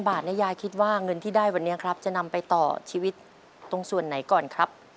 บาทยายคิดว่าเงินที่ได้วันนี้ครับจะนำไปต่อชีวิตตรงส่วนไหนก่อนครับ